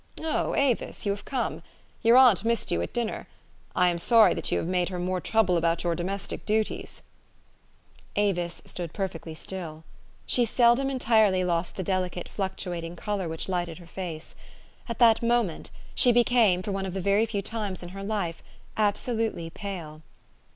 11 O Avis! you have come. Your aunt missed you at dinner. I am sorry that you have made her more trouble about your domestic duties." Avis stood for a moment perfectly still. She THE STORY OF AVIS. 59 seldom entirely lost the delicate, fluctuating color which lighted her face. At that moment she be came, for one of very few times in her life, abso lutely pale.